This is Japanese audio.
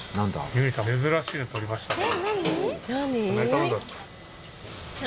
ゆにさん珍しいの取りましたね。